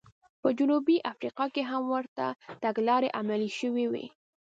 په جنوبي افریقا کې هم ورته تګلارې عملي شوې وې.